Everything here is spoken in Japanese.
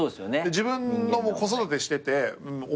自分の子育てしてて思うし。